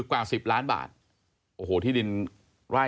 กว่า๑๐ล้านบาทโอ้โหที่ดินไร่